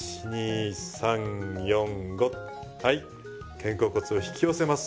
肩甲骨を引き寄せます。